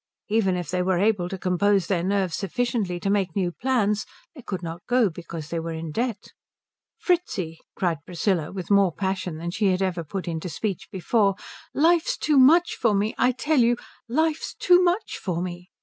Even if they were able to compose their nerves sufficiently to make new plans they could not go because they were in debt. "Fritzi," cried Priscilla with more passion than she had ever put into speech before, "life's too much for me I tell you life's too much for me!"